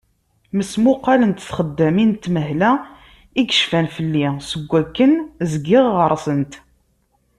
Mesmuqalent txeddamin n tenmehla i yecfan fell-i seg wakken zgiɣ ɣer-sent.